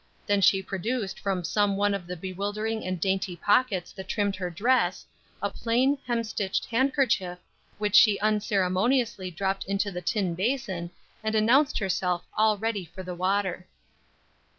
Then she produced from some one of the bewildering and dainty pockets that trimmed her dress, a plain, hemstitched handkerchief, which she unceremoniously dropped into the tin basin, and announced herself all ready for the water.